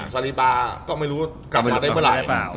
ซาริตาก็ไม่รู้กลับมาได้เมื่อไหร่